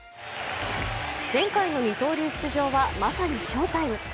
前回の二刀流出場はまさに翔タイム。